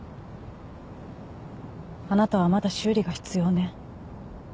あなたはまだ修理が必要ね。